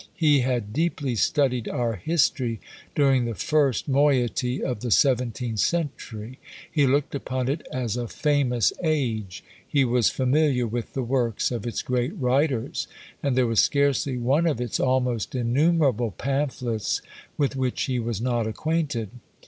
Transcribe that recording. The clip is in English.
He had deeply studied our history during the first moiety of the seventeenth century; he looked upon it as a famous age; he was familiar with the works of its great writers, and there was scarcely one of its almost innumerable pamphlets with which he was not acquainted.